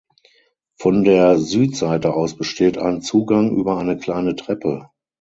Von der Südseite aus besteht ein Zugang über eine kleine Treppe.